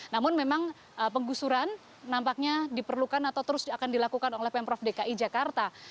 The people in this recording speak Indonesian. namun memang penggusuran nampaknya diperlukan atau terus akan dilakukan oleh pemprov dki jakarta